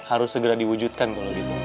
harus segera diwujudkan kalau gitu